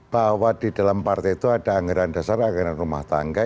bahwa di dalam partai itu ada anggaran dasar anggaran rumah tangga